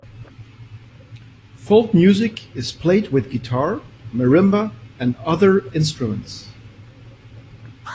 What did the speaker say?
Folk music is played with guitar, marimba and other instruments.